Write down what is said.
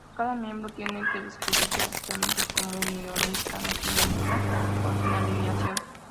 Cada miembro tiene que describirse oficialmente como "unionista", "nacionalista" o "sin alineación".